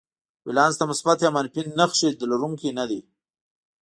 ولانس د مثبت یا منفي نښې لرونکی نه دی.